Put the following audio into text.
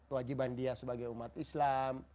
kewajiban dia sebagai umat islam